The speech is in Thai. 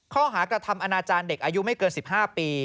ข้อหากระทำอนาจารย์เด็กอายุไม่เกิน๑๕ปี